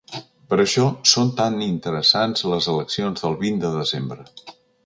Per això són tan interessants les eleccions del vint de desembre.